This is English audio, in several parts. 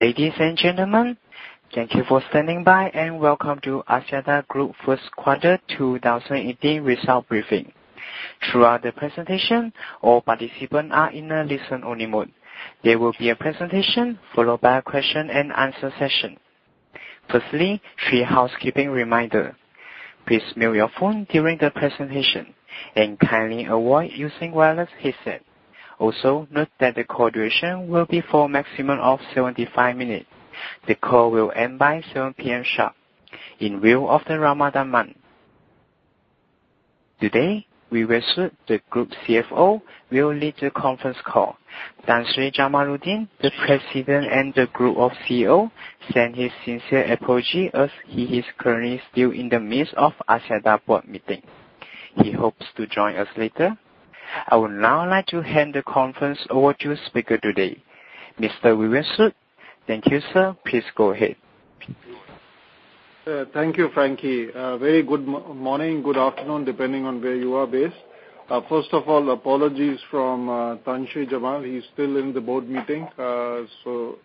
Ladies and gentlemen, thank you for standing by and welcome to Axiata Group First Quarter 2018 Results Briefing. Throughout the presentation, all participants are in a listen-only mode. There will be a presentation followed by a question and answer session. Firstly, three housekeeping reminders. Please mute your phone during the presentation, and kindly avoid using wireless headset. Also, note that the call duration will be for a maximum of 75 minutes. The call will end by 7:00 P.M. sharp in view of the Ramadan month. Today, Vivek Sood, the Group CFO, will lead the conference call. Tan Sri Jamaludin, the President and Group CEO, sends his sincere apology as he is currently still in the midst of Axiata Board meeting. He hopes to join us later. I would now like to hand the conference over to speaker today, Mr. Vivek Sood. Thank you, sir. Please go ahead. Thank you, Franky. Very good morning, good afternoon, depending on where you are based. First of all, apologies from Tan Sri Jamaludin. He is still in the Board meeting, so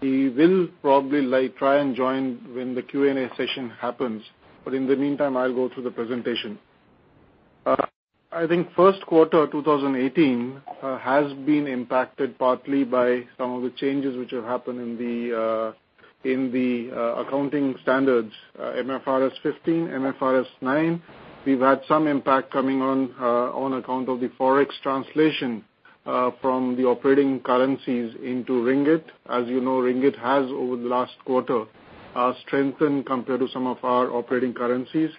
he will probably try and join when the Q&A session happens. In the meantime, I will go through the presentation. I think First Quarter 2018 has been impacted partly by some of the changes which have happened in the accounting standards, MFRS 15, MFRS 9. We have had some impact coming on account of the forex translation from the operating currencies into ringgit. As you know, ringgit has, over the last quarter, strengthened compared to some of our operating currencies.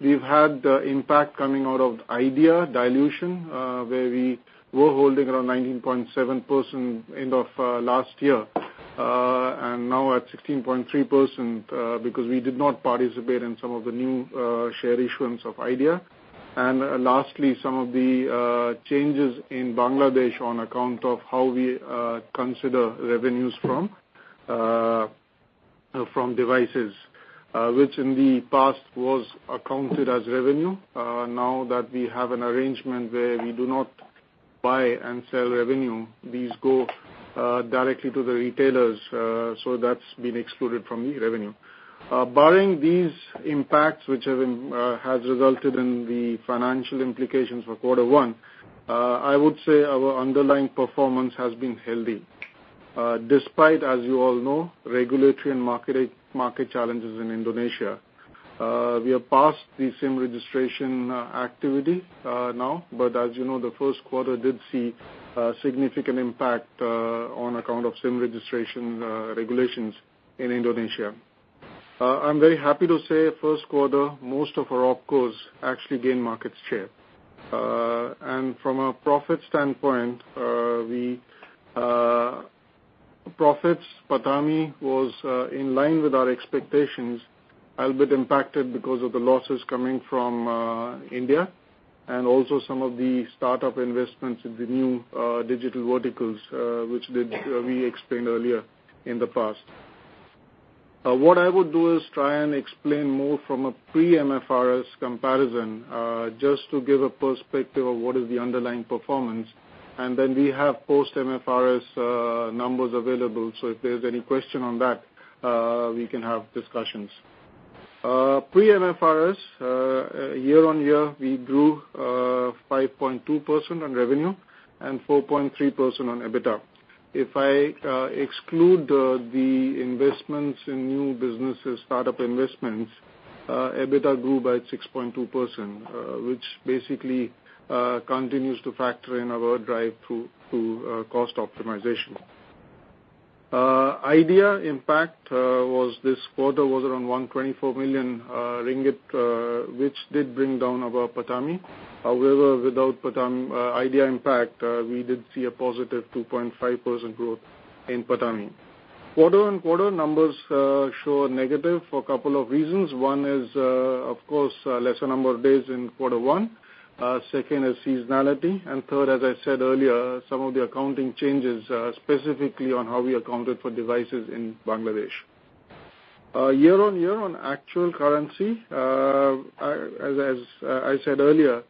We have had the impact coming out of Idea dilution, where we were holding around 19.7% end of last year, and now at 16.3% because we did not participate in some of the new share issuance of Idea. Lastly, some of the changes in Bangladesh on account of how we consider revenues from devices, which in the past was accounted as revenue. Now that we have an arrangement where we do not buy and sell revenue, these go directly to the retailers. That has been excluded from the revenue. Barring these impacts, which has resulted in the financial implications for Quarter 1, I would say our underlying performance has been healthy. Despite, as you all know, regulatory and market challenges in Indonesia. We are past the SIM registration activity now, but as you know, the First Quarter did see a significant impact on account of SIM registration regulations in Indonesia. I am very happy to say First Quarter, most of our opcos actually gained market share. From a profit standpoint, PATAMI was in line with our expectations, a little bit impacted because of the losses coming from India, and also some of the startup investments in the new digital verticals which we explained earlier in the past. What I would do is try and explain more from a pre-MFRS comparison, just to give a perspective of what is the underlying performance. Then we have post-MFRS numbers available, so if there is any question on that, we can have discussions. Pre-MFRS, year-on-year, we grew 5.2% on revenue and 4.3% on EBITDA. If I exclude the investments in new businesses, startup investments, EBITDA grew by 6.2%, which basically continues to factor in our drive to cost optimization. Idea impact this quarter was around 124 million ringgit, which did bring down our PATAMI. However, without Idea impact, we did see a positive 2.5% growth in PATAMI. Quarter-on-quarter numbers show negative for a couple of reasons. One is, of course, lesser number of days in quarter one. Second is seasonality, and third, as I said earlier, some of the accounting changes, specifically on how we accounted for devices in Bangladesh. Year-on-year on actual currency, as I said earlier,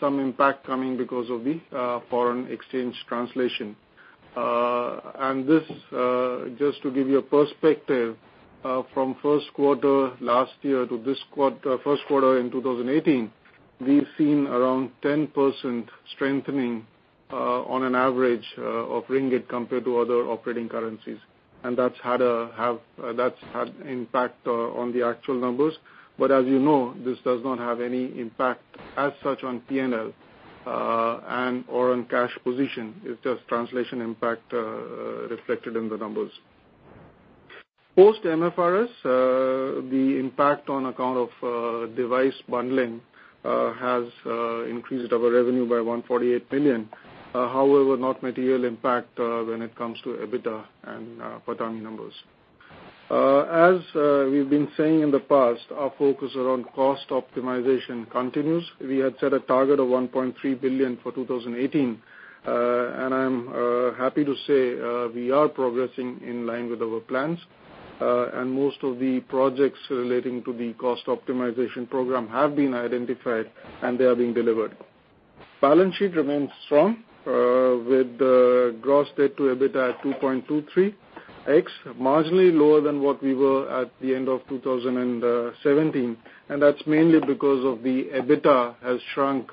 some impact coming because of the foreign exchange translation. Just to give you a perspective, from first quarter last year to first quarter in 2018, we've seen around 10% strengthening on an average of MYR compared to other operating currencies. That's had impact on the actual numbers. As you know, this does not have any impact as such on P&L or on cash position. It's just translation impact reflected in the numbers. Post-MFRS, the impact on account of device bundling has increased our revenue by 148 million. Not material impact when it comes to EBITDA and PATAMI numbers. As we've been saying in the past, our focus around cost optimization continues. We had set a target of 1.3 billion for 2018. I'm happy to say we are progressing in line with our plans. Most of the projects relating to the cost optimization program have been identified, and they are being delivered. Balance sheet remains strong, with the gross debt to EBITDA at 2.23x, marginally lower than what we were at the end of 2017. That's mainly because of the EBITDA has shrunk,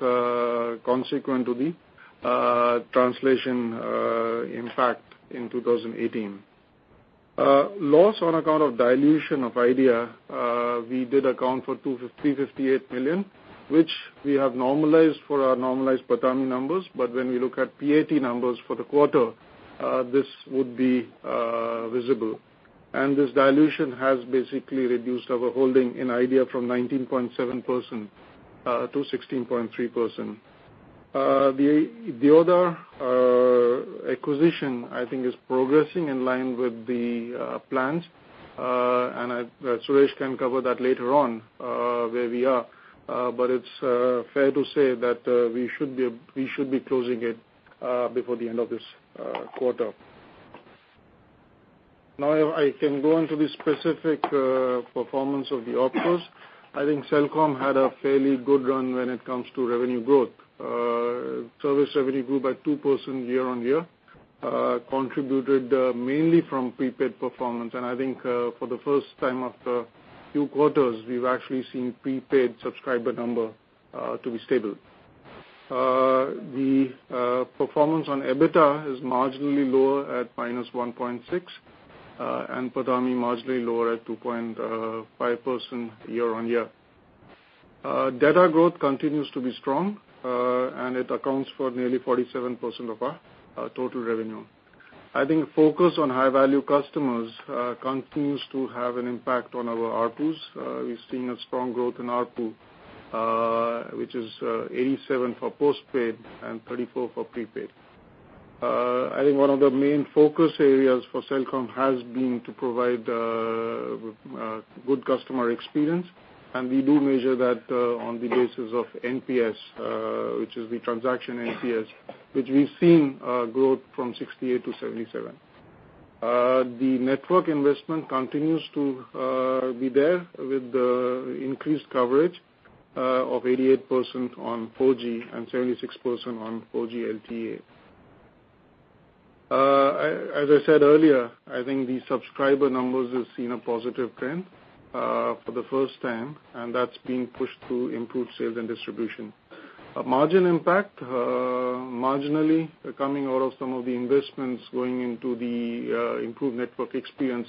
consequent to the translation impact in 2018. Loss on account of dilution of Idea, we did account for 358 million, which we have normalized for our normalized PATMI numbers, but when we look at PAT numbers for the quarter, this would be visible. This dilution has basically reduced our holding in Idea from 19.7% to 16.3%. The Vodafone acquisition, I think is progressing in line with the plans. Suresh can cover that later on, where we are. It's fair to say that we should be closing it before the end of this quarter. Now, I can go onto the specific performance of the opcos. I think Celcom had a fairly good run when it comes to revenue growth. Service revenue grew by 2% year-on-year, contributed mainly from prepaid performance. I think for the first time after few quarters, we've actually seen prepaid subscriber number to be stable. The performance on EBITDA is marginally lower at -1.6%, and PATMI marginally lower at 2.5% year-on-year. Data growth continues to be strong, and it accounts for nearly 47% of our total revenue. I think focus on high-value customers continues to have an impact on our ARPUs. We're seeing a strong growth in ARPU, which is 87 for postpaid and 34 for prepaid. I think one of the main focus areas for Celcom has been to provide good customer experience, and we do measure that on the basis of NPS, which is the transaction NPS, which we've seen a growth from 68 to 77. The network investment continues to be there with the increased coverage of 88% on 4G and 76% on 4G LTE. As I said earlier, I think the subscriber numbers have seen a positive trend for the first time, and that's being pushed through improved sales and distribution. Margin impact, marginally coming out of some of the investments going into the improved network experience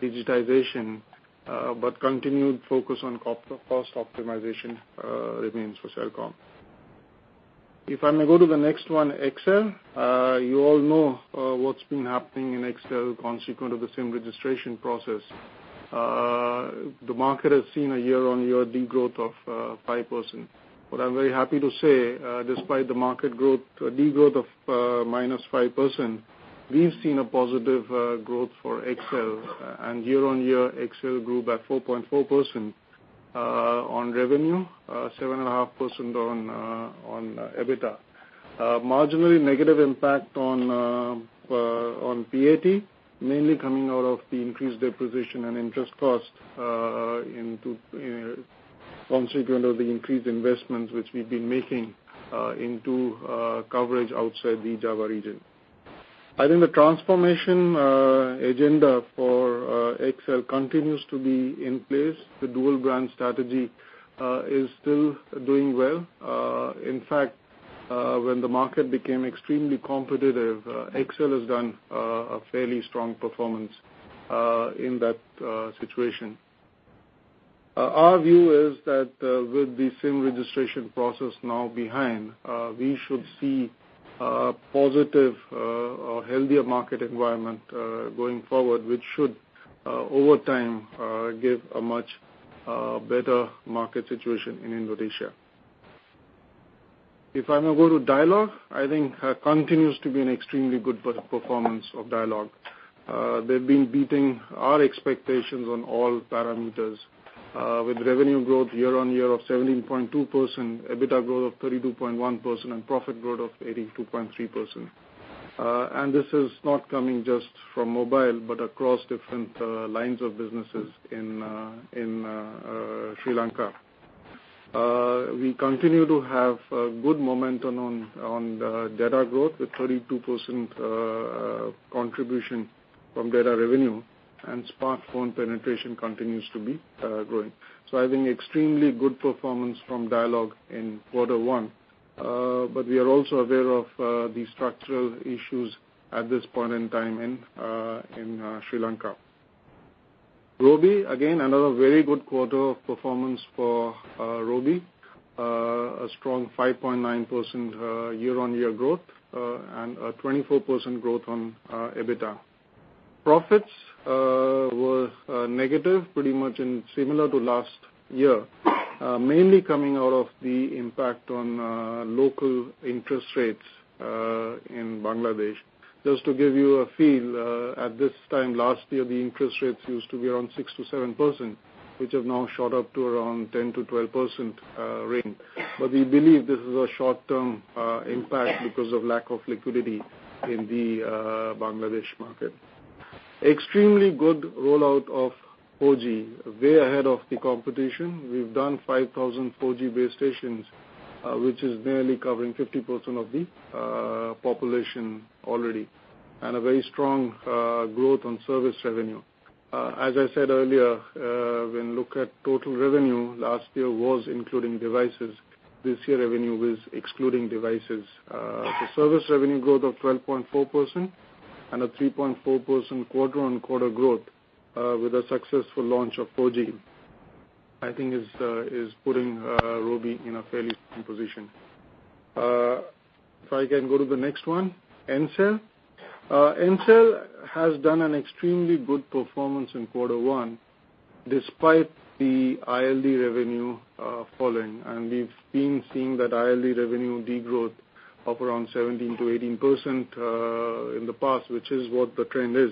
digitization, but continued focus on cost optimization remains for Celcom. If I may go to the next one, Axiata. You all know what's been happening in Axiata consequent of the SIM registration process. The market has seen a year-on-year degrowth of 5%. What I'm very happy to say, despite the market degrowth of -5%, we've seen a positive growth for Axiata. Year-on-year, Axiata grew by 4.4% on revenue, 7.5% on EBITDA. Marginally negative impact on PAT, mainly coming out of the increased depreciation and interest cost consequent of the increased investment which we've been making into coverage outside the Java region. I think the transformation agenda for Axiata continues to be in place. The dual brand strategy is still doing well. In fact, when the market became extremely competitive, Axiata has done a fairly strong performance in that situation. Our view is that with the SIM registration process now behind, we should see a positive or healthier market environment going forward, which should, over time, give a much better market situation in Indonesia. If I now go to Dialog, I think continues to be an extremely good performance of Dialog. They've been beating our expectations on all parameters, with revenue growth year-on-year of 17.2%, EBITDA growth of 32.1%, and profit growth of 82.3%. This is not coming just from mobile, but across different lines of businesses in Sri Lanka. We continue to have good momentum on data growth, with 32% contribution from data revenue, and smartphone penetration continues to be growing. I think extremely good performance from Dialog in quarter one. We are also aware of the structural issues at this point in time in Sri Lanka. Robi, again, another very good quarter of performance for Robi. A strong 5.9% year-on-year growth, and a 24% growth on EBITDA. Profits were negative, pretty much similar to last year, mainly coming out of the impact on local interest rates in Bangladesh. Just to give you a feel, at this time last year, the interest rates used to be around 6%-7%, which have now shot up to around 10%-12% range. We believe this is a short-term impact because of lack of liquidity in the Bangladesh market. Extremely good rollout of 4G, way ahead of the competition. We've done 5,000 4G base stations, which is nearly covering 50% of the population already. A very strong growth on service revenue. As I said earlier, when look at total revenue, last year was including devices. This year revenue is excluding devices. The service revenue growth of 12.4% and a 3.4% quarter-on-quarter growth with a successful launch of 4G, I think is putting Robi in a fairly strong position. If I can go to the next one, Ncell. Ncell has done an extremely good performance in quarter one, despite the ILD revenue falling. We've been seeing that ILD revenue degrowth of around 17%-18% in the past, which is what the trend is.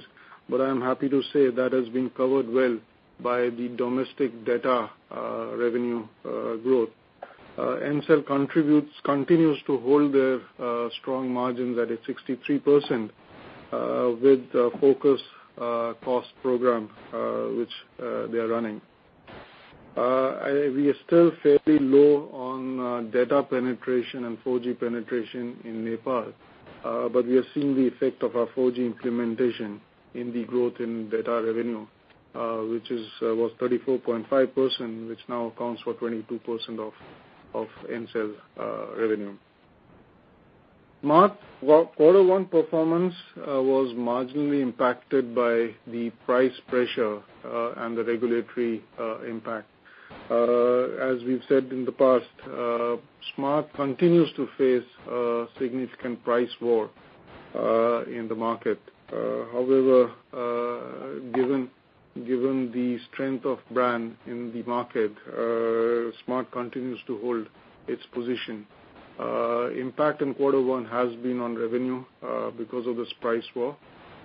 I am happy to say that has been covered well by the domestic data revenue growth. Ncell continues to hold their strong margins at a 63% with the focus cost program, which they are running. We are still fairly low on data penetration and 4G penetration in Nepal, but we are seeing the effect of our 4G implementation in the growth in data revenue, which was 34.5%, which now accounts for 22% of Ncell's revenue. Smart, Q1 performance was marginally impacted by the price pressure, and the regulatory impact. As we've said in the past, Smart continues to face a significant price war in the market. However, given the strength of brand in the market, Smart continues to hold its position. Impact in Q1 has been on revenue because of this price war.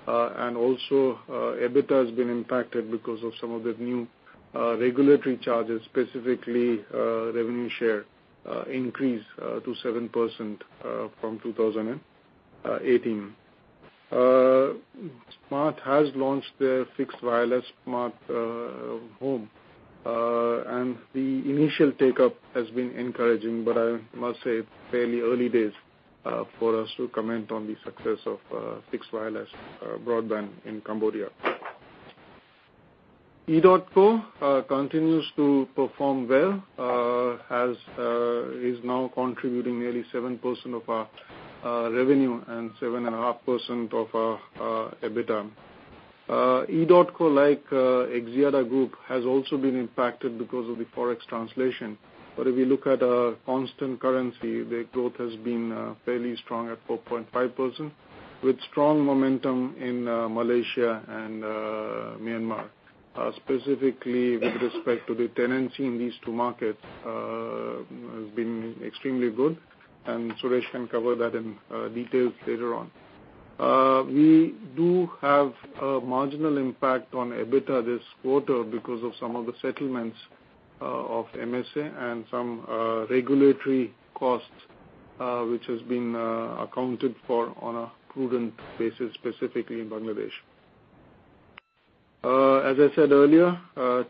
EBITDA has been impacted because of some of the new regulatory charges, specifically, revenue share increase to 7% from 2018. Smart has launched their fixed wireless Smart @Home, and the initial take-up has been encouraging, but I must say it's fairly early days for us to comment on the success of fixed wireless broadband in Cambodia. edotco Group continues to perform well, is now contributing nearly 7% of our revenue and 7.5% of our EBITDA. edotco Group, like Axiata Group Berhad, has also been impacted because of the Forex translation. If you look at our constant currency, the growth has been fairly strong at 4.5%, with strong momentum in Malaysia and Myanmar. Specifically with respect to the tenancy in these two markets, has been extremely good, and Suresh Sankaran Srinivasan can cover that in details later on. We do have a marginal impact on EBITDA this quarter because of some of the settlements of MSA and some regulatory costs, which has been accounted for on a prudent basis, specifically in Bangladesh. As I said earlier,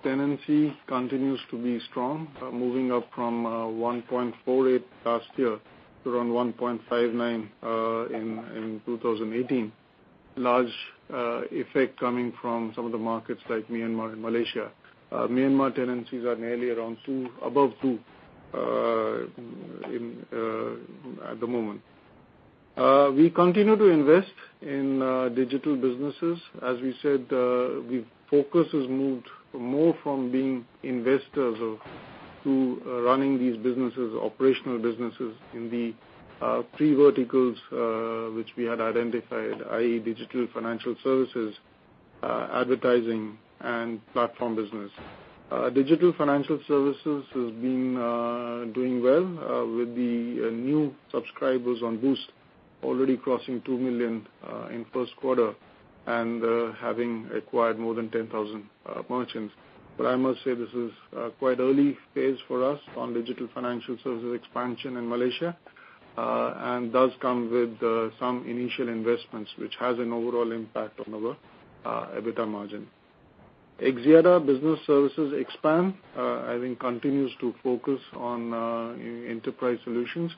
tenancy continues to be strong. Moving up from 1.48 last year to around 1.59 in 2018. Large effect coming from some of the markets like Myanmar and Malaysia. Myanmar tenancies are nearly around two, above two at the moment. We continue to invest in digital businesses. As we said, the focus has moved more from being investors of to running these businesses, operational businesses in the three verticals which we had identified, i.e., digital financial services, advertising, and platform business. Digital financial services has been doing well, with the new subscribers on Boost already crossing 2 million in Q1, and having acquired more than 10,000 merchants. I must say this is quite early phase for us on digital financial services expansion in Malaysia, and does come with some initial investments, which has an overall impact on our EBITDA margin. Axiata Business Services, Xpand, I think continues to focus on enterprise solutions.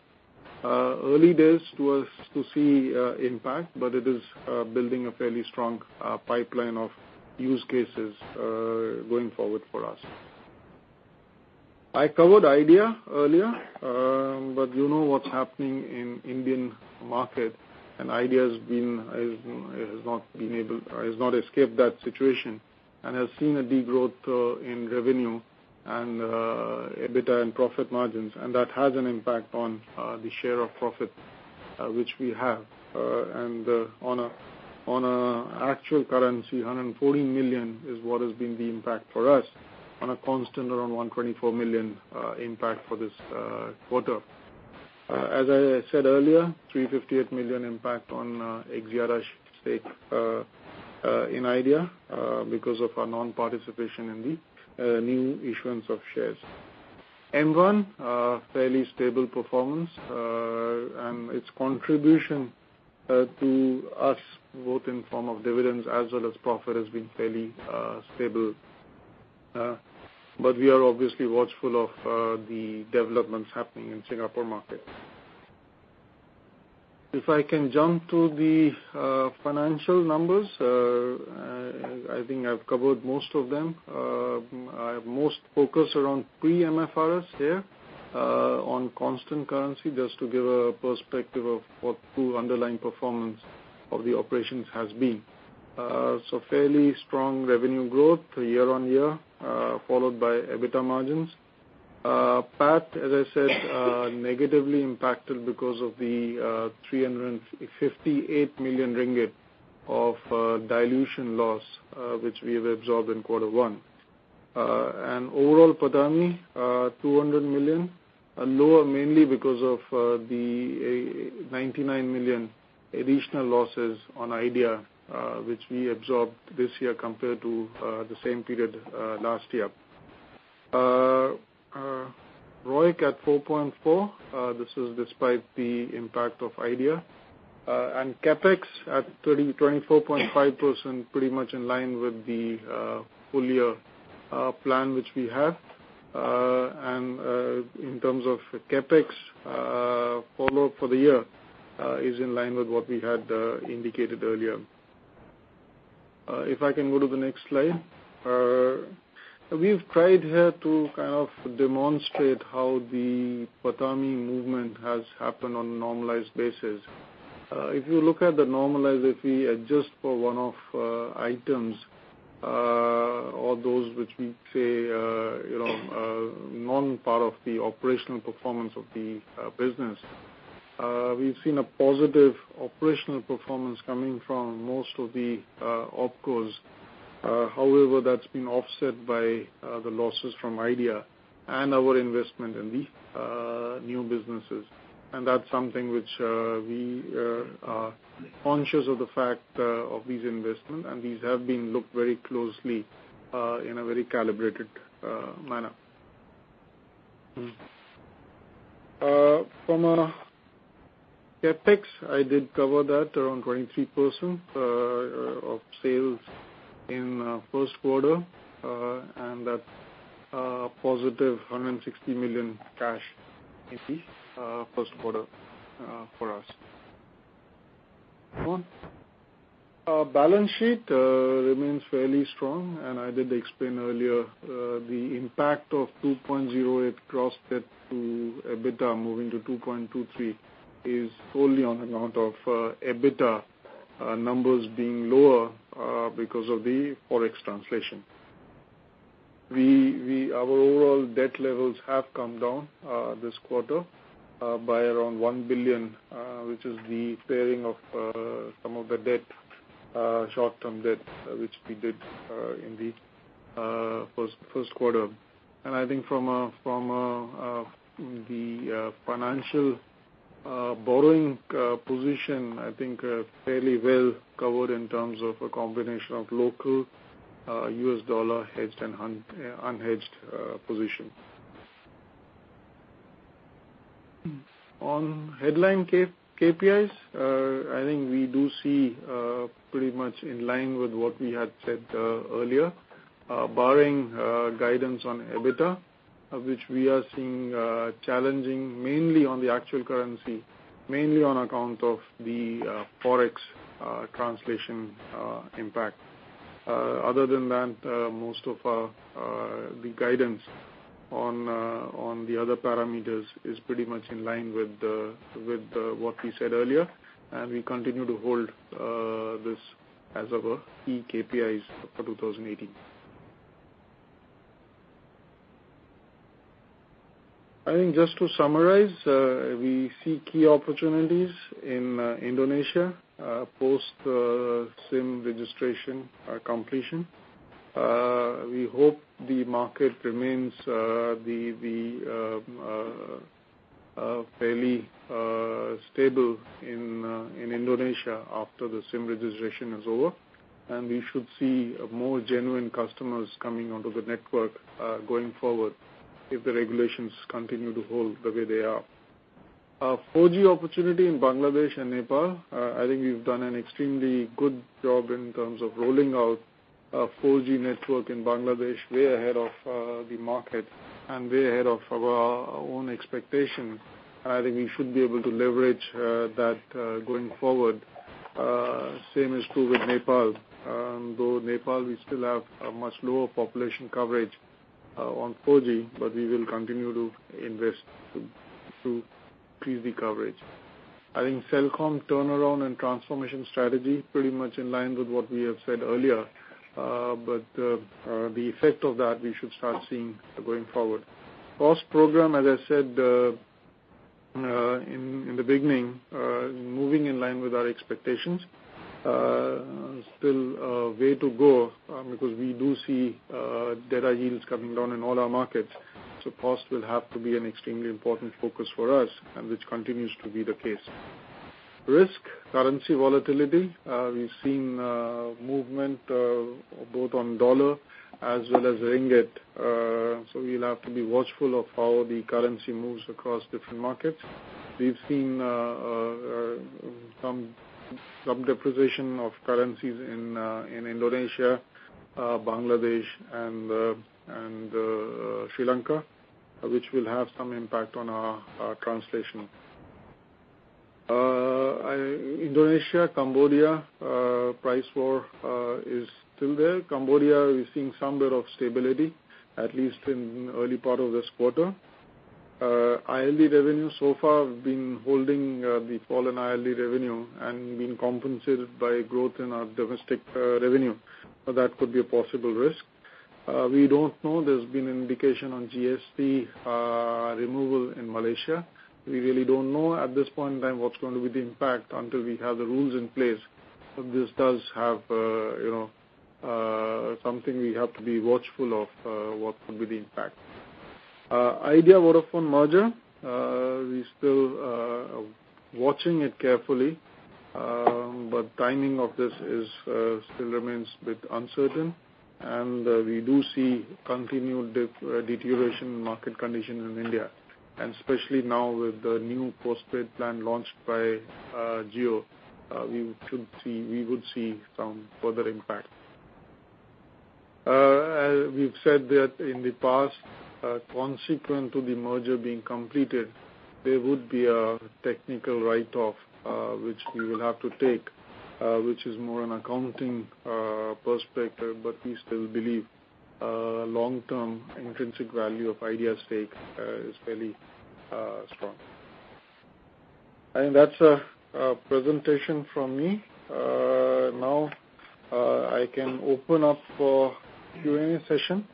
Early days to us to see impact, but it is building a fairly strong pipeline of use cases going forward for us. I covered Idea Cellular earlier, but you know what's happening in Indian market, and Idea Cellular has not escaped that situation and has seen a degrowth in revenue and EBITDA and profit margins, and that has an impact on the share of profit which we have. On a actual currency, 140 million is what has been the impact for us, on a constant around 124 million impact for this quarter. As I said earlier, 358 million impact on Axiata Group Berhad's stake in Idea Cellular because of our non-participation in the new issuance of shares. M1 Limited, fairly stable performance, and its contribution to us, both in form of dividends as well as profit, has been fairly stable. We are obviously watchful of the developments happening in Singapore market. If I can jump to the financial numbers, I think I've covered most of them. I have most focus around pre-MFRS here, on constant currency, just to give a perspective of what true underlying performance of the operations has been. Fairly strong revenue growth year-on-year, followed by EBITDA margins. PAT, as I said, negatively impacted because of the 358 million ringgit of dilution loss, which we have absorbed in quarter one. Overall PATMI, 200 million, and lower mainly because of the 99 million additional losses on Idea, which we absorbed this year compared to the same period last year. ROIC at 4.4%, this is despite the impact of Idea. CapEx at 24.5%, pretty much in line with the full-year plan which we have. In terms of CapEx follow for the year, is in line with what we had indicated earlier. If I can go to the next slide. We've tried here to kind of demonstrate how the PATMI movement has happened on a normalized basis. If you look at the normalized, if we adjust for one-off items, or those which we say are non-part of the operational performance of the business, we've seen a positive operational performance coming from most of the opcos. However, that's been offset by the losses from Idea and our investment in the new businesses. That's something which we are conscious of the fact of these investments, and these have been looked very closely in a very calibrated manner. From our CapEx, I did cover that, around 23% of sales in first quarter, and that's a positive 160 million cash, I see, first quarter for us. Go on. Balance sheet remains fairly strong, and I did explain earlier the impact of 2.08x to EBITDA moving to 2.23x is only on account of EBITDA numbers being lower because of the ForEx translation. Our overall debt levels have come down this quarter by around 1 billion, which is the paring of some of the short-term debt which we did in the first quarter. From the financial borrowing position, I think fairly well covered in terms of a combination of local $ hedged and unhedged position. On headline KPIs, I think we do see pretty much in line with what we had said earlier, barring guidance on EBITDA, which we are seeing challenging mainly on the actual currency, mainly on account of the ForEx translation impact. Other than that, most of the guidance on the other parameters is pretty much in line with what we said earlier, and we continue to hold this as our key KPIs for 2018. I think just to summarize, we see key opportunities in Indonesia, post SIM registration completion. We hope the market remains fairly stable in Indonesia after the SIM registration is over, and we should see more genuine customers coming onto the network going forward if the regulations continue to hold the way they are. Our 4G opportunity in Bangladesh and Nepal, I think we've done an extremely good job in terms of rolling out a 4G network in Bangladesh way ahead of the market and way ahead of our own expectation. I think we should be able to leverage that going forward. Same is true with Nepal, though Nepal, we still have a much lower population coverage on 4G, but we will continue to invest to increase the coverage. I think Celcom turnaround and transformation strategy pretty much in line with what we have said earlier. The effect of that we should start seeing going forward. Cost program, as I said in the beginning, moving in line with our expectations. Still a way to go because we do see data yields coming down in all our markets. Cost will have to be an extremely important focus for us and which continues to be the case. Risk, currency volatility. We've seen movement both on USD as well as MYR. We'll have to be watchful of how the currency moves across different markets. We've seen some depreciation of currencies in Indonesia, Bangladesh, and Sri Lanka, which will have some impact on our translation. Indonesia, Cambodia, price war is still there. Cambodia, we're seeing somewhere of stability, at least in early part of this quarter. ILD revenue so far have been holding the fall in ILD revenue and been compensated by growth in our domestic revenue. That could be a possible risk. We don't know, there's been an indication on GST removal in Malaysia. We really don't know at this point in time what's going to be the impact until we have the rules in place. This does have something we have to be watchful of, what could be the impact. Idea Vodafone merger, we still are watching it carefully, timing of this still remains a bit uncertain. We do see continued deterioration in market condition in India. Especially now with the new postpaid plan launched by Jio, we would see some further impact. We've said that in the past, consequent to the merger being completed, there would be a technical write-off, which we will have to take, which is more an accounting perspective, we still believe long-term intrinsic value of Idea stake is fairly strong. I think that's the presentation from me. Now, I can open up for Q&A session.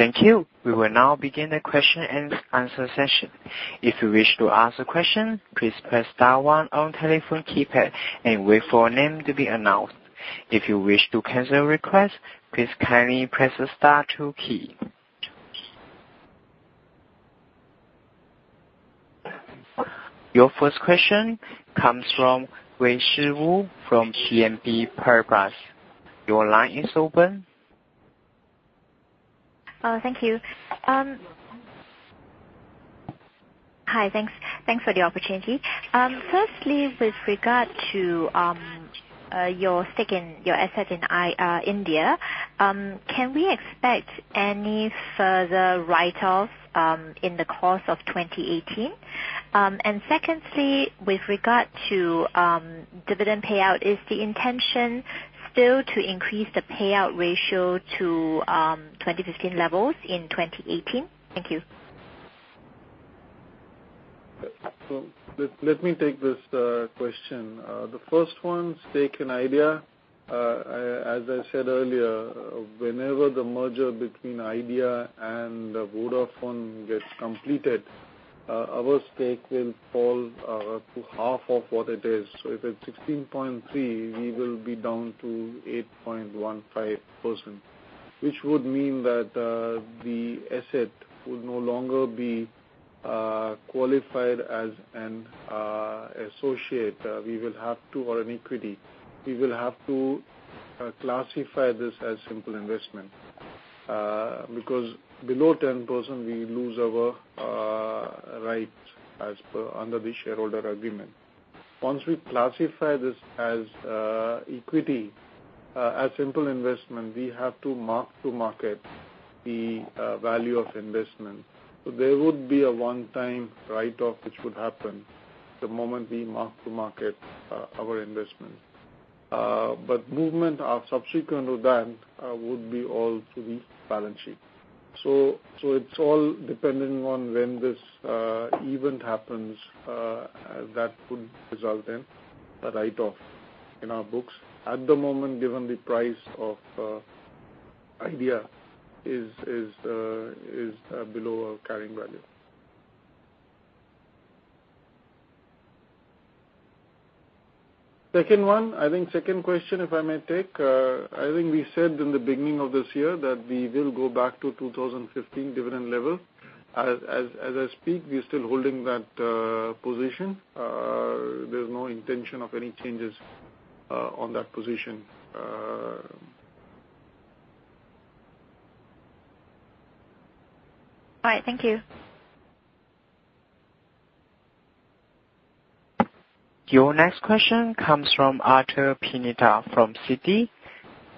Thank you. We will now begin the question and answer session. If you wish to ask a question, please press star one on telephone keypad and wait for your name to be announced. If you wish to cancel a request, please kindly press the star two key. Your first question comes from Wei-Shi Wu from CIMB Peregrine. Your line is open. Thank you. Hi, thanks for the opportunity. Firstly, with regard to your asset in India, can we expect any further write-offs in the course of 2018? Secondly, with regard to dividend payout, is the intention still to increase the payout ratio to 2015 levels in 2018? Thank you. Let me take this question. The first one, stake in Idea. As I said earlier, whenever the merger between Idea and Vodafone gets completed, our stake will fall to half of what it is. If it's 16.3, we will be down to 8.15%, which would mean that the asset would no longer be qualified as an associate or an equity. We will have to classify this as simple investment. Below 10%, we lose our rights under the shareholder agreement. Once we classify this as equity, as simple investment, we have to mark to market the value of investment. There would be a one-time write-off which would happen the moment we mark to market our investment. Movement subsequent to that would be all to the balance sheet. It's all dependent on when this event happens, that would result in a write-off in our books. At the moment, given the price of Idea is below our carrying value. Second one, I think second question, if I may take. I think we said in the beginning of this year that we will go back to 2015 dividend level. As I speak, we're still holding that position. There's no intention of any changes on that position. All right. Thank you. Your next question comes from Arthur Pineda from Citigroup.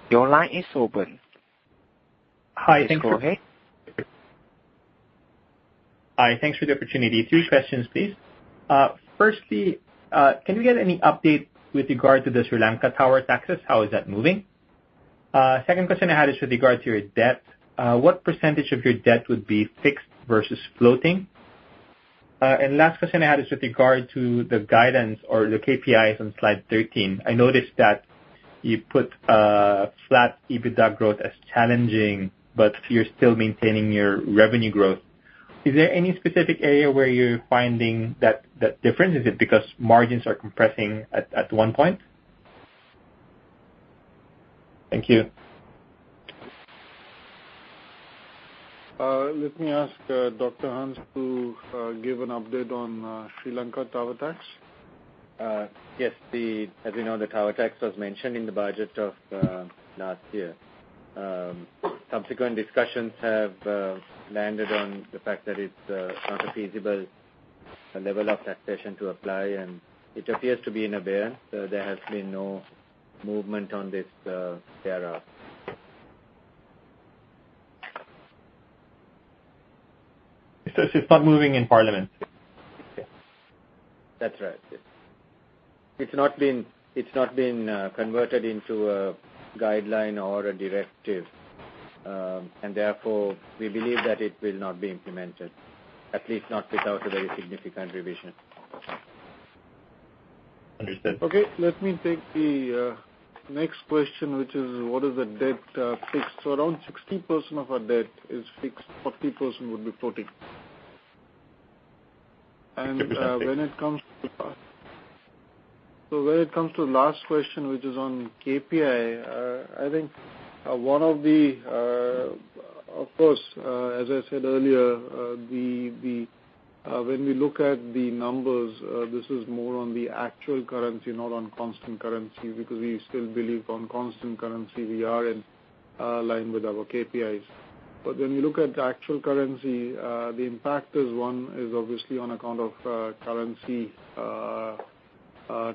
Your line is open. Hi, thanks for- Please go ahead. Hi. Thanks for the opportunity. Three questions, please. Firstly, can we get any update with regard to the Sri Lanka tower taxes? How is that moving? Second question I had is with regard to your debt. What percentage of your debt would be fixed versus floating? Last question I had is with regard to the guidance or the KPIs on slide 13. I noticed that you put flat EBITDA growth as challenging, you're still maintaining your revenue growth. Is there any specific area where you're finding that difference? Is it because margins are compressing at one point? Thank you. Let me ask Dr. Hans to give an update on Sri Lanka tower tax. Yes. As we know, the tower tax was mentioned in the budget of last year. Subsequent discussions have landed on the fact that it's not a feasible level of taxation to apply, and it appears to be in abeyance. There has been no movement on this thereof. It's not moving in parliament? That's right. Yes. It's not been converted into a guideline or a directive. Therefore, we believe that it will not be implemented, at least not without a very significant revision. Understood. Okay. Let me take the next question, which is, what is the debt fixed? Around 60% of our debt is fixed, 40% would be floating. When it comes to the last question, which is on KPI, of course, as I said earlier, when we look at the numbers, this is more on the actual currency, not on constant currency, because we still believe on constant currency, we are in line with our KPIs. When we look at the actual currency, the impact is, one, is obviously on account of currency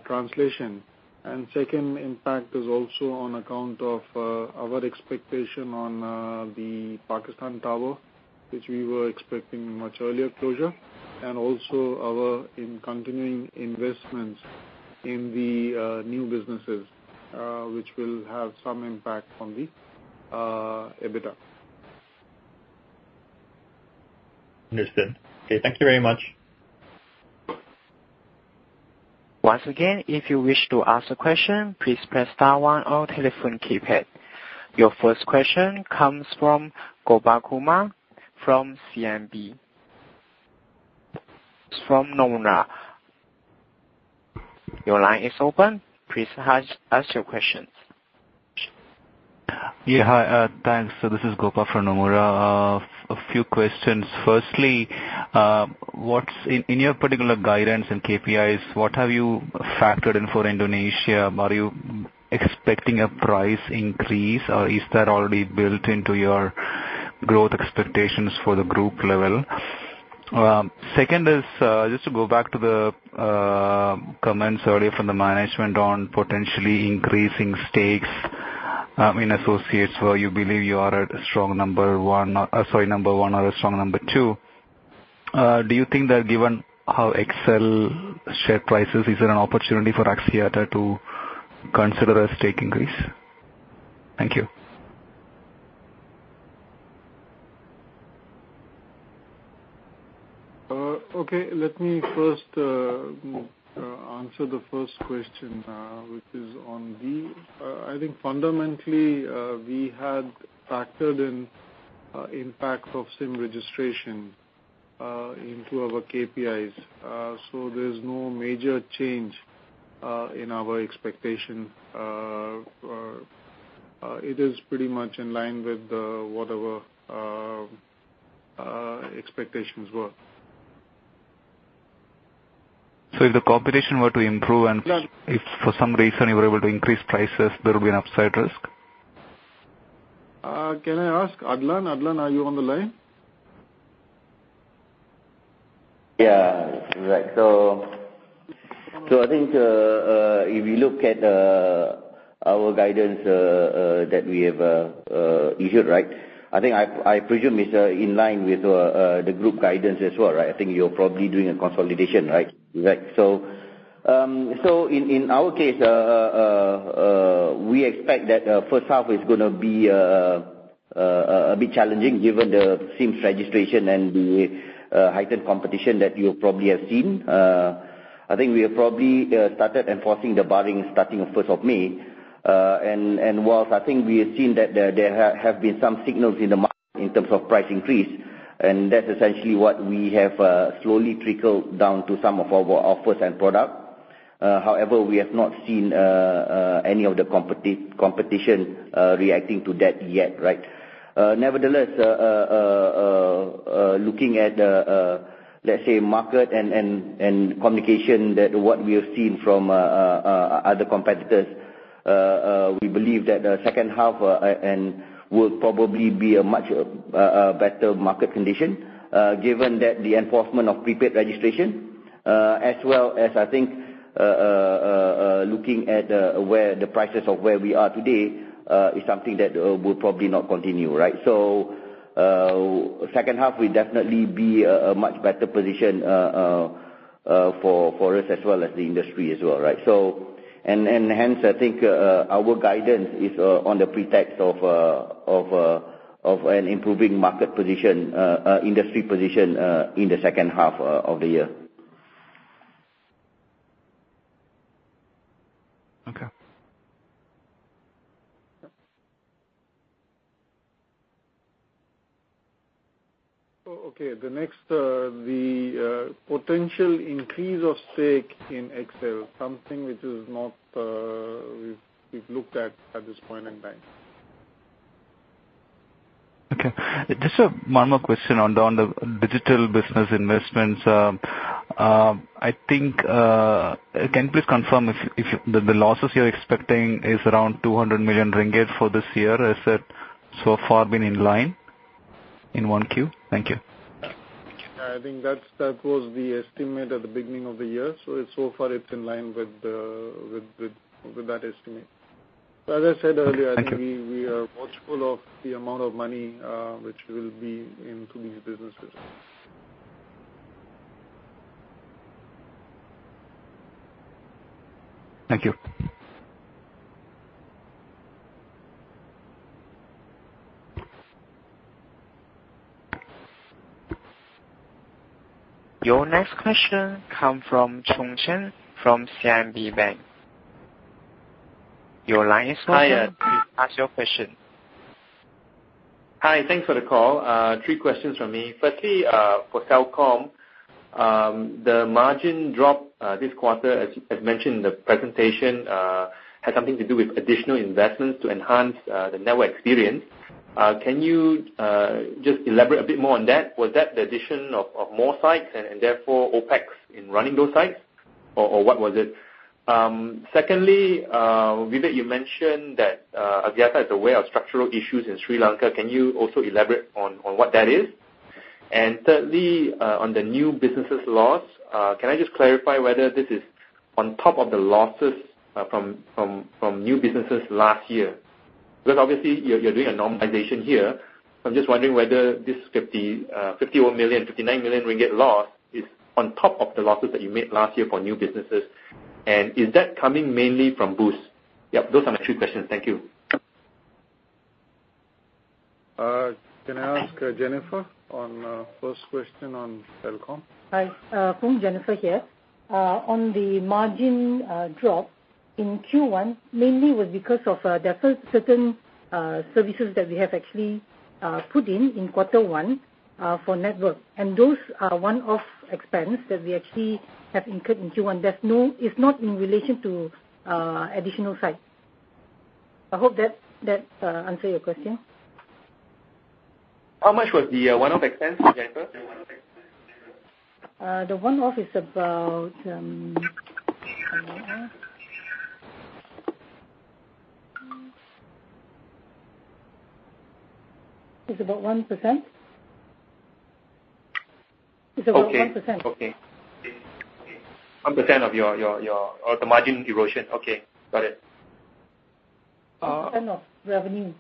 translation. Second impact is also on account of our expectation on the Pakistan tower, which we were expecting much earlier closure. Also our in continuing investments in the new businesses, which will have some impact on the EBITDA. Understood. Okay, thank you very much. Once again, if you wish to ask a question, please press star one on your telephone keypad. Your first question comes from Gopa Kumar from Nomura. Your line is open. Please ask your questions. Yeah. Hi, thanks. This is Gopa from Nomura. A few questions. Firstly, in your particular guidance and KPIs, what have you factored in for Indonesia? Are you expecting a price increase, or is that already built into your growth expectations for the group level? Second is, just to go back to the comments earlier from the management on potentially increasing stakes in associates where you believe you are at a strong number one or a strong number two. Do you think that given how XL share prices, is there an opportunity for Axiata to consider a stake increase? Thank you. Okay, let me first answer the first question, which is on the I think fundamentally, we had factored in impact of SIM registration into our KPIs. There's no major change in our expectation. It is pretty much in line with what our expectations were. If the competition were to improve. Yeah. If for some reason you were able to increase prices, there will be an upside risk? Can I ask Adlan? Adlan, are you on the line? Yeah. I think if you look at our guidance that we have issued, right? I presume it's in line with the group guidance as well, right? I think you're probably doing a consolidation, right? In our case, we expect that first half is going to be a bit challenging given the SIMs registration and the heightened competition that you probably have seen. I think we have probably started enforcing the barring starting first of May. Whilst I think we have seen that there have been some signals in the market in terms of price increase, and that's essentially what we have slowly trickled down to some of our offers and product. However, we have not seen any of the competition reacting to that yet, right? Nevertheless, looking at the, let's say, market and communication that what we have seen from other competitors, we believe that the second half will probably be a much better market condition, given that the enforcement of prepaid registration. As well as I think looking at where the prices of where we are today is something that will probably not continue, right? Second half will definitely be a much better position for us as well as the industry as well, right? Hence, I think our guidance is on the pretext of an improving industry position in the second half of the year. Okay. Okay. The next, the potential increase of stake in XL, something which we've looked at this point in time. Okay. Just one more question on the digital business investments. Can you please confirm if the losses you're expecting is around 200 million ringgit for this year? Has that so far been in line in 1Q? Thank you. I think that was the estimate at the beginning of the year. So far it's in line with that estimate. Thank you I think we are watchful of the amount of money which will be into these businesses. Thank you. Your next question come from Foong Choong Chen from CIMB Bank. Your line is open. Hi, yeah. Please ask your question. Hi, thanks for the call. Three questions from me. Firstly, for Celcom, the margin drop this quarter, as you have mentioned in the presentation, had something to do with additional investments to enhance the network experience. Can you just elaborate a bit more on that? Was that the addition of more sites and therefore OPEX in running those sites? Or what was it? Secondly, Vivek, you mentioned that Axiata is aware of structural issues in Sri Lanka. Can you also elaborate on what that is? Thirdly, on the new businesses loss, can I just clarify whether this is on top of the losses from new businesses last year? Because obviously you're doing a normalization here. So I'm just wondering whether this 59 million ringgit loss is on top of the losses that you made last year for new businesses. Is that coming mainly from Boost? Yep. Those are my three questions. Thank you. Can I ask Jennifer on first question on Celcom? Hi. Jennifer here. On the margin drop, in Q1 mainly was because of there are certain services that we have actually put in in quarter one for network. Those are one-off expense that we actually have incurred in Q1. It's not in relation to additional sites. I hope that answer your question. How much was the one-off expense, Jennifer? The one-off is about 1%. It's about 1%. Okay. 1% of the margin erosion. Okay, got it. 1% of revenue.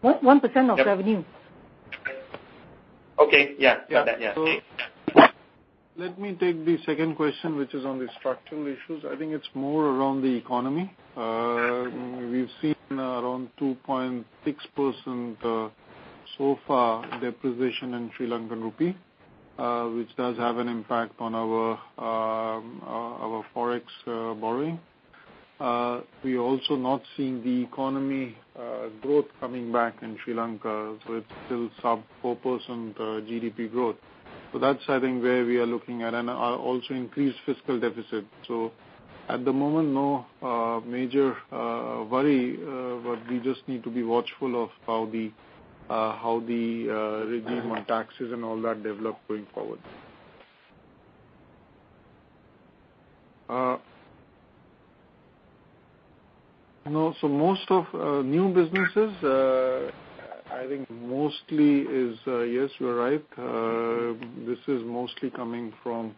What? 1% of revenue. Okay. Yeah. Got that. Yeah. Okay. Let me take the second question which is on the structural issues. I think it's more around the economy. We've seen around 2.6% so far depreciation in LKR, which does have an impact on our Forex borrowing. We're also not seeing the economy growth coming back in Sri Lanka, so it's still sub 4% GDP growth. That's, I think, where we are looking at, and also increased fiscal deficit. At the moment, no major worry, but we just need to be watchful of how the regime on taxes and all that develop going forward. Most of new businesses, yes, you're right, this is mostly coming from.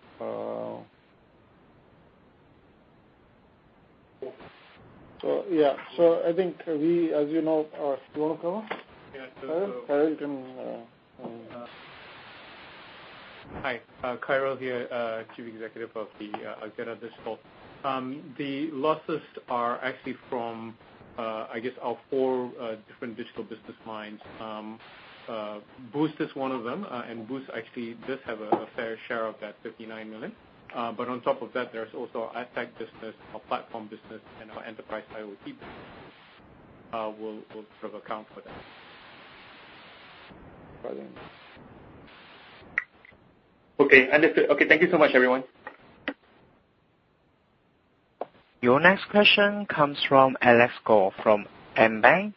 I think we, as you know. Do you want to come? Yeah. Khairil, you can. Hi. Khairil here, Chief Executive of the Axiata Digital. The losses are actually from our four different digital business lines. Boost is one of them, and Boost actually does have a fair share of that 59 million. On top of that, there's also our tech business, our platform business, and our enterprise IoT business will sort of account for that. Got it. Okay, understood. Okay, thank you so much, everyone. Your next question comes from Alex Goh from Maybank.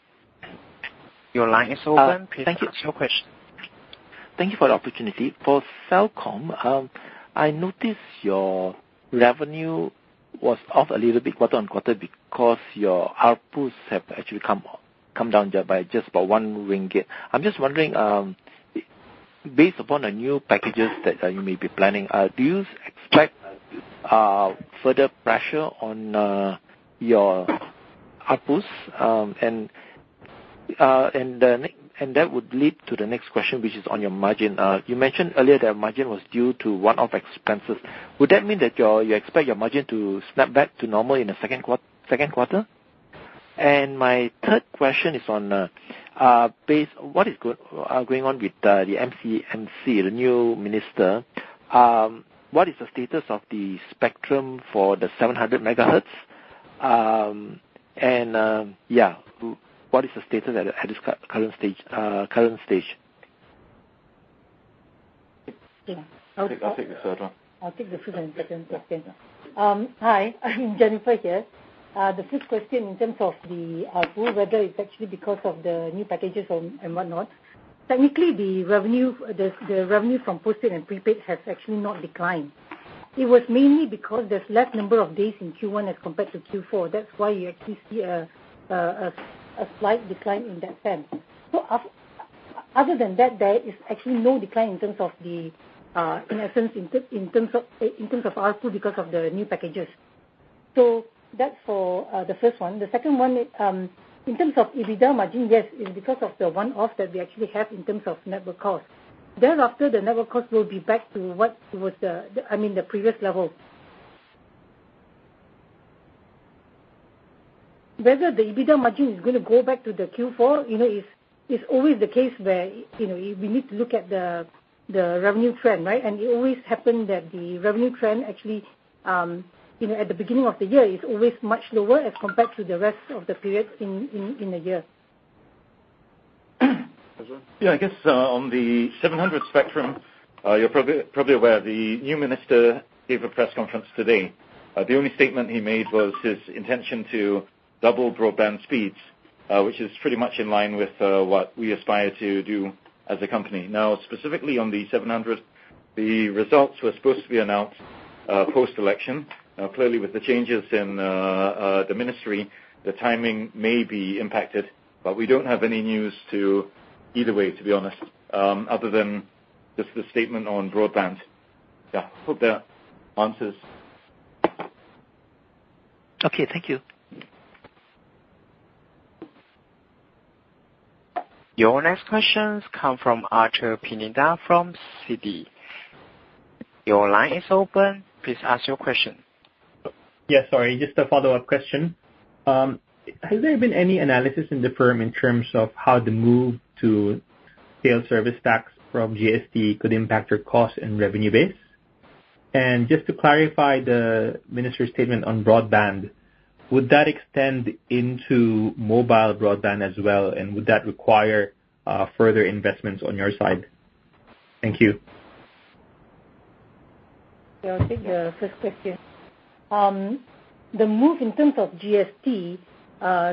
Your line is open. Thank you. Please ask your question. Thank you for the opportunity. For Celcom, I noticed your revenue was off a little bit quarter-on-quarter because your ARPUs have actually come down by just about 1 ringgit. I'm just wondering, based upon the new packages that you may be planning, do you expect further pressure on your ARPUs? That would lead to the next question, which is on your margin. You mentioned earlier that margin was due to one-off expenses. Would that mean that you expect your margin to snap back to normal in the second quarter? My third question is on, what is going on with the MCMC, the new minister. What is the status of the spectrum for the 700 megahertz? Yeah. What is the status at this current stage? Yeah. I'll take the third one. I'll take the first and second question. Hi, Jennifer here. The first question in terms of the ARPU, whether it's actually because of the new packages and whatnot. Technically, the revenue from postpaid and prepaid has actually not declined. It was mainly because there's less number of days in Q1 as compared to Q4. That's why you actually see a slight decline in that sense. Other than that, there is actually no decline in essence, in terms of ARPU because of the new packages. That's for the first one. The second one, in terms of EBITDA margin, yes, it's because of the one-off that we actually have in terms of network cost. Thereafter, the network cost will be back to the previous level. Whether the EBITDA margin is going to go back to the Q4, it's always the case where we need to look at the revenue trend, right? It always happen that the revenue trend actually, at the beginning of the year, is always much lower as compared to the rest of the periods in a year. Azman? I guess, on the 700 spectrum, you're probably aware the new minister gave a press conference today. The only statement he made was his intention to double broadband speeds, which is pretty much in line with what we aspire to do as a company. Specifically on the 700, the results were supposed to be announced post-election. Clearly, with the changes in the ministry, the timing may be impacted, but we don't have any news to either way, to be honest, other than just the statement on broadband. Hope that answers. Okay. Thank you. Your next questions come from Arthur Pineda from Citigroup. Your line is open. Please ask your question. Sorry, just a follow-up question. Has there been any analysis in the firm in terms of how the move to sales service tax from GST could impact your cost and revenue base? Just to clarify the minister's statement on broadband, would that extend into mobile broadband as well, and would that require further investments on your side? Thank you. I'll take the first question. The move in terms of GST,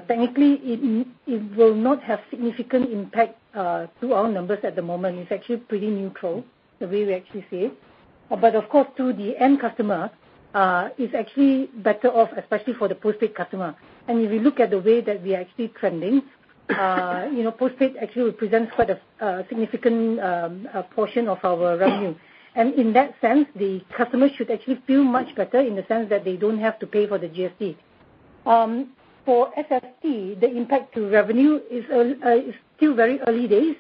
technically, it will not have significant impact to our numbers at the moment. It's actually pretty neutral, the way we actually see it. Of course, to the end customer, it's actually better off, especially for the postpaid customer. If you look at the way that we are actually trending, postpaid actually represents quite a significant portion of our revenue. In that sense, the customer should actually feel much better in the sense that they don't have to pay for the GST. For SST, the impact to revenue, it's still very early days.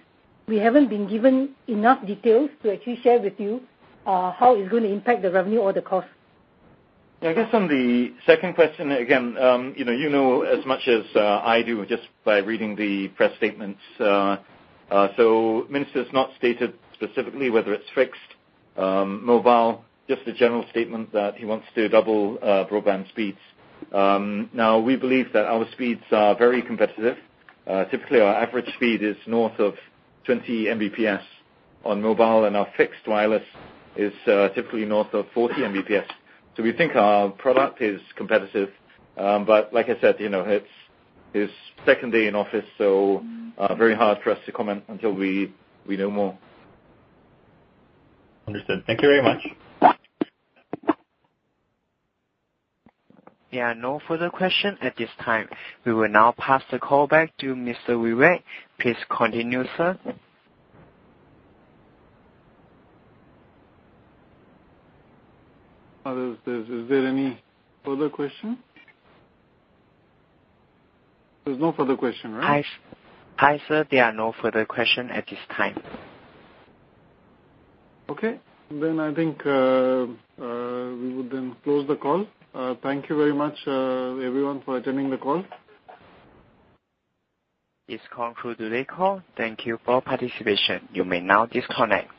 We haven't been given enough details to actually share with you how it's going to impact the revenue or the cost. I guess on the second question, again, you know as much as I do just by reading the press statements. Minister's not stated specifically whether it's fixed, mobile, just a general statement that he wants to double broadband speeds. We believe that our speeds are very competitive. Typically, our average speed is north of 20 Mbps on mobile, and our fixed wireless is typically north of 40 Mbps. We think our product is competitive. Like I said, it's his second day in office, very hard for us to comment until we know more. Understood. Thank you very much. There are no further questions at this time. We will now pass the call back to Mr. Clare Wee. Please continue, sir. Is there any further question? There's no further question, right? Hi, sir. There are no further question at this time. Okay. I think we would then close the call. Thank you very much, everyone, for attending the call. This concludes the call. Thank you for participation. You may now disconnect.